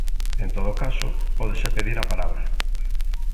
En todo caso, pódese pedir a palabra.